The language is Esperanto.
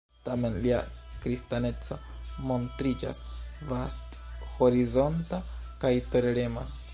Tamen lia kristaneco montriĝas vasthorizonta kaj tolerema.